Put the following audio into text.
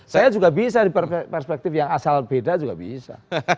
saya juga bisa di perspektif yang asal beda juga bisa